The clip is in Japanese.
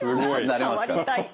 触りたい。